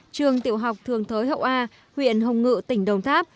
trường tiểu học thường thới hậu a huyện hồng ngự tỉnh đồng tháp